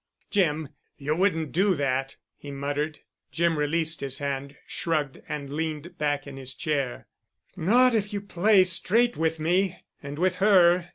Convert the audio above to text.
"Jim! You—you wouldn't do that?" he muttered. Jim released his hand, shrugged and leaned back in his chair. "Not if you play straight with me—and with her.